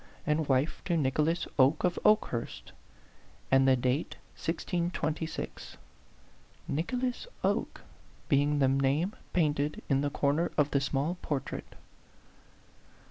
and wife to Nicholas Oke of Oke hurst,"and the date 1626 "Nicholas Oke" being the name painted in the corner of the small portrait.